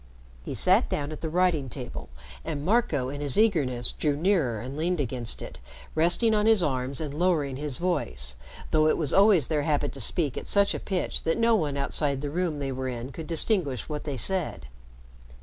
He sat down at the writing table and Marco, in his eagerness, drew nearer and leaned against it, resting on his arms and lowering his voice, though it was always their habit to speak at such a pitch that no one outside the room they were in could distinguish what they said.